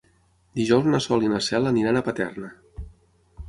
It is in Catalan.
Dijous na Sol i na Cel aniran a Paterna.